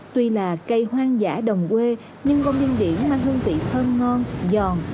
tuy là cây hoang dã đồng quê nhưng con điện điển mang hương vị thơm ngon giòn